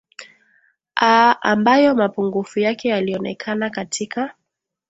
aaa ambayo mapungufu yake yalionekana katika